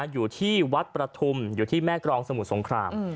อยู่ที่วัดประทุมอยู่ที่แม่กรองสมุทรสงคราม